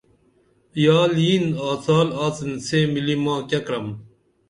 یال یِین آڅال آڅن سے ملی ماں کیہ کرم